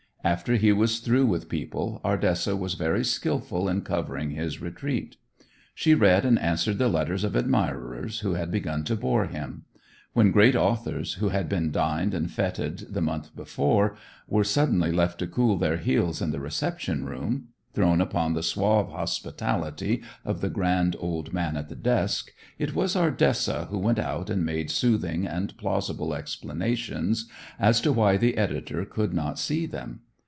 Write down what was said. After he was through with people, Ardessa was very skilful in covering his retreat. She read and answered the letters of admirers who had begun to bore him. When great authors, who had been dined and fêted the month before, were suddenly left to cool their heels in the reception room, thrown upon the suave hospitality of the grand old man at the desk, it was Ardessa who went out and made soothing and plausible explanations as to why the editor could not see them.